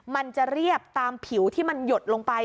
มันจะเรียบตามผิวที่มันหยดลงไป